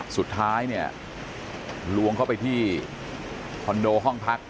สุดท้ายเนี่ยลวงเข้าไปที่คอนโดห้องพัก